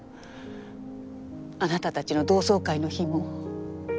あなたたちの同窓会の日も。